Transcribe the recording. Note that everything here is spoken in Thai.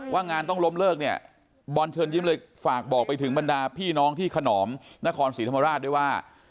งานต้องล้มเลิกเนี่ยบอลเชิญยิ้มเลยฝากบอกไปถึงบรรดาพี่น้องที่ขนอมนครศรีธรรมราชด้วยว่า